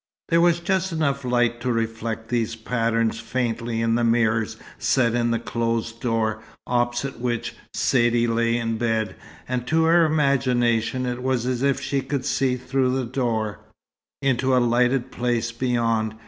There was just enough light to reflect these patterns faintly in the mirrors set in the closed door, opposite which Saidee lay in bed; and to her imagination it was as if she could see through the door, into a lighted place beyond.